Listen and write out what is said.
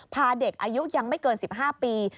พาเด็กอายุยังไม่เกิน๑๕ปี